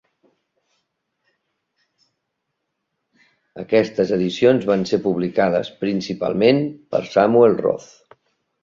Aquestes edicions van ser publicades, principalment, per Samuel Roth.